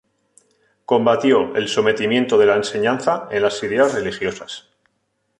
Combatió el sometimiento de la enseñanza en las ideas religiosas.